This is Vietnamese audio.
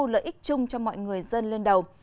lợi ích chung cho mọi người dân lên đầu